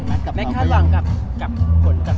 แม็กซ์ก็คือหนักที่สุดในชีวิตเลยจริง